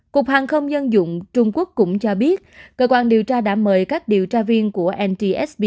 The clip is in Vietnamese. cục hàng không dân dụng trung quốc cũng cho biết cơ quan điều tra đã mời các điều tra viên của ntsb